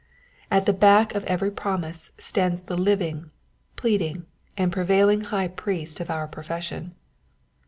At the back of every promise stands the living, pleading and prevailing High priest of our profession.